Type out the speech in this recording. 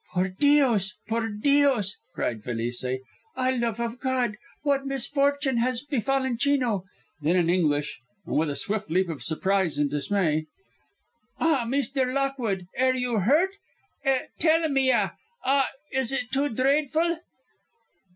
"Por Dios! Por Dios!" cried Felice. "Ah, love of God! what misfortune has befallen Chino!" Then in English, and with a swift leap of surprise and dismay: "Ah, Meester Lockwude, air you hurt? Eh, tell me a! Ah, it is too draidful!"